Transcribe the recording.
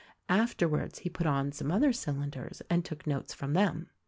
Afterwards he put on some other cylinders and took notes from them.